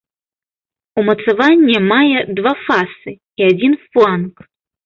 Умацаванне мае два фасы і адзін фланк.